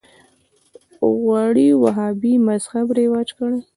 غواړي وهابي مذهب رواج کړي